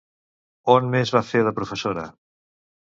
On més va fer de professora?